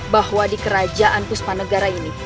bahwa di kerajaan puspa negara ini